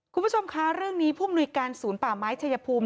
คุณผู้ชมคะเรื่องนี้ผู้มนุยการศูนย์ป่าไม้ชายภูมิ